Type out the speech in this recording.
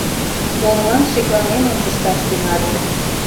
Орлан шекланен ончышташ тӱҥале.